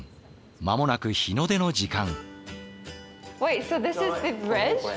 間もなく日の出の時間。